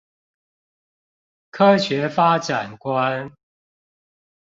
科學發展觀